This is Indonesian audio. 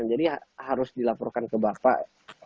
jadi harus dilaporkan ke bapak